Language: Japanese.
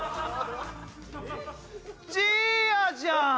じいやじゃん！